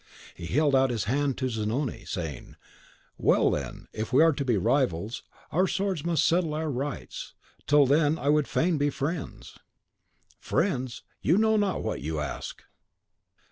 He held out his hand to Zanoni, saying, "Well, then, if we are to be rivals, our swords must settle our rights; till then I would fain be friends." "Friends! You know not what you ask."